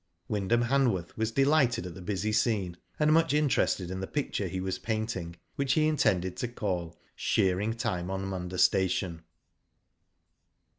Wyndham Hanworth was delighted at the busy scene, and much interested in the picture he was painting, which he intended to call Shearing time on Munda station.'